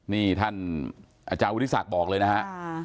นี่ท่านอาจารย์วุฒิศักดิ์บอกเลยนะฮะ